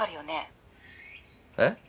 えっ？